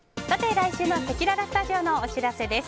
来週のせきららスタジオのお知らせです。